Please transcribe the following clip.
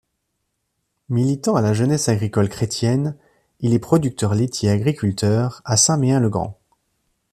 Militant à la Jeunesse agricole chrétienne, il est producteur laitier agriculteur à Saint-Méen-le-Grand.